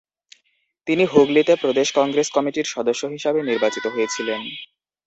তিনি হুগলিতে প্রদেশ কংগ্রেস কমিটির সদস্য হিসাবে নির্বাচিত হয়েছিলেন।